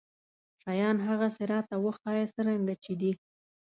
شيان هغسې راته وښايه څرنګه چې دي.